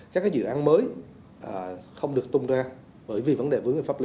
các cái dự án mới không được tung ra bởi vì vấn đề với người pháp lý